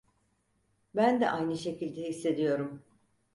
Ben de aynı şekilde hissediyorum.